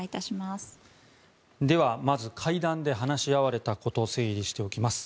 ではまず会談で話し合われたことを整理しておきます。